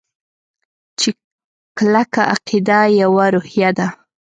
چې کلکه عقیده يوه روحیه ده.